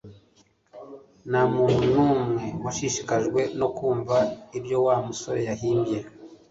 Ntamuntu numwe washishikajwe no kumva ibyoWa musore yahimbye